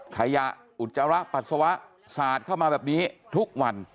ขยะอุจจาระปัสสาวะสาดเข้ามาแบบนี้ทุกวัน